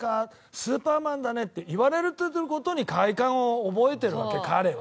「スーパーマンだね」って言われる事に快感を覚えてるわけ彼は。